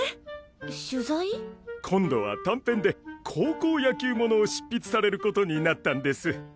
今度は短編で高校野球物を執筆される事になったんです。